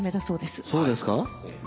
そうですか？